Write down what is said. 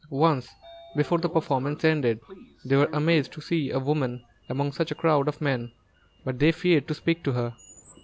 Once before the performance ended, they were amazed to see a woman among such a crowd of men; but they feared to speak to her.